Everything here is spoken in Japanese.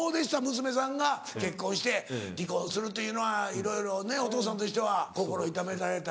娘さんが結婚して離婚するというのはいろいろお父さんとしては心痛められたり。